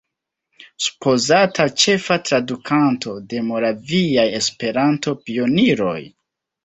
Supozata ĉefa tradukanto de Moraviaj Esperanto-Pioniroj.